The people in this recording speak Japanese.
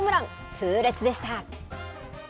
痛烈でした。